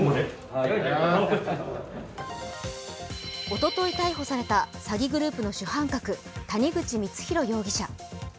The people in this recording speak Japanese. おととい逮捕された詐欺グループの主犯格、谷口光弘容疑者。